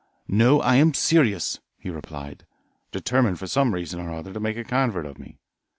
"No, I am serious," he replied, determined for some reason or other to make a convert of me.